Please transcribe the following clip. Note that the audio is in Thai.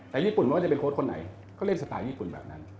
แต่ญี่ปุ่นไม่ว่าจะเป็นโค้ดคนไหนเขาเรียกสไตล์ญี่ปุ่นแบบนั้น